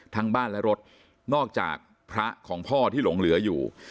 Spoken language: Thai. ทั้งบ้านและรถนอกจากพระของพ่อที่หลงเหลืออยู่